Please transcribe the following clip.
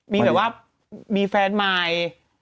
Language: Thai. มีแบบว่ามีแฟนมาย